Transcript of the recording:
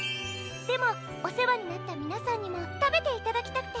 でもおせわになったみなさんにもたべていただきたくて。